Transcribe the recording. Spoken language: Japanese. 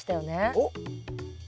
おっ！